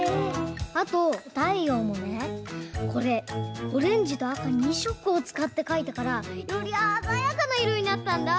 あとたいようもねこれオレンジとあか２しょくをつかってかいたからよりあざやかないろになったんだ！